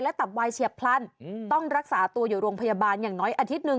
ตับวายเฉียบพลันต้องรักษาตัวอยู่โรงพยาบาลอย่างน้อยอาทิตย์หนึ่ง